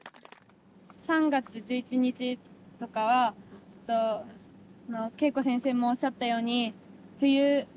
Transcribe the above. ３月１１日とかは結構先生もおっしゃったように冬冬？